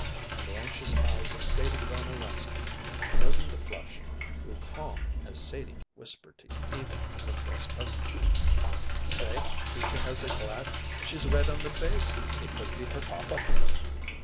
And the anxious eyes of Sadie Gonorowsky, noting the flush, grew calm as Sadie whispered to Eva, her close cousin: "Say, Teacher has a glad. She's red on the face. It could to be her papa."